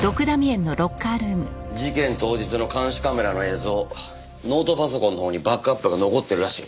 事件当日の監視カメラの映像ノートパソコンのほうにバックアップが残ってるらしい。